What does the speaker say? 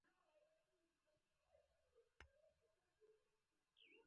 ما د پیرود بوجي په موټر کې کېښوده.